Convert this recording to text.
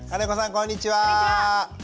こんにちは。